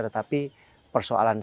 tetapi persoalan selanjutnya